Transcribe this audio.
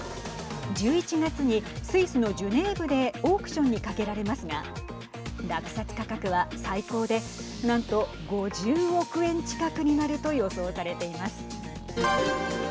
１１月にスイスのジュネーブでオークションにかけられますが落札価格は最高で何と５０億円近くになると予想されています。